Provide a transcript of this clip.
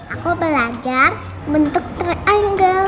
aku belajar bentuk triangle